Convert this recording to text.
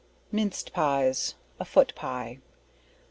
Minced Pies, A Foot Pie.